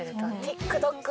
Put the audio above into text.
ＴｉｋＴｏｋ